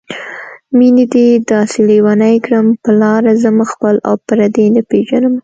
مينې دې داسې لېونی کړم په لاره ځم خپل او پردي نه پېژنمه